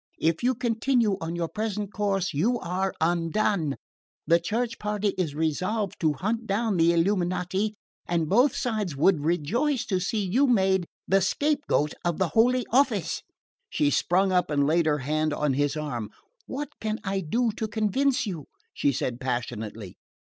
If you continue on your present course you are undone. The Church party is resolved to hunt down the Illuminati, and both sides would rejoice to see you made the scapegoat of the Holy Office." She sprung up and laid her hand on his arm. "What can I do to convince you?" she said passionately.